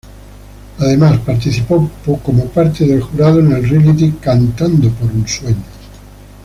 Además, participó como parte del jurado en el reality, "Cantando por un sueño".